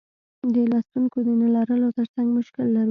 د لوستونکیو د نه لرلو ترڅنګ مشکل لرو.